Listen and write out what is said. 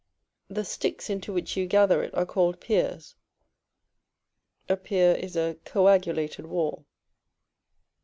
The sticks into which you gather it are called Piers. A pier is a coagulated wall.